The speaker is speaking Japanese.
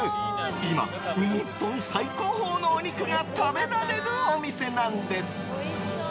今、日本最高峰のお肉が食べられるお店なんです。